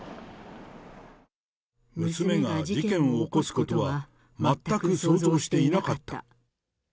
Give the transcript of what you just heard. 娘が事件を起こすことは、全く想像していなかった。